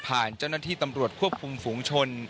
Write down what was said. เจ้าหน้าที่ตำรวจควบคุมฝูงชน